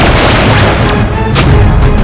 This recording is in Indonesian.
tidak ada kesalahan